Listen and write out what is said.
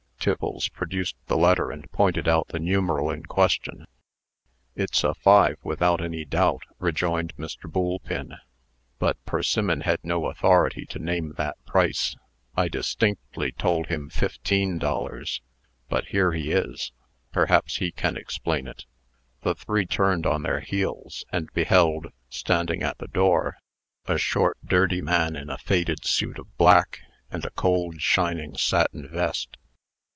Tiffles produced the letter, and pointed out the numeral in question. "It's a 5, without any doubt," rejoined Mr. Boolpin; "but Persimmon had no authority to name that price. I distinctly told him fifteen dollars. But here he is. Perhaps he can explain it." The three turned on their heels, and beheld, standing at the door, a short, dirty man in a faded suit of black, and a cold shining satin vest.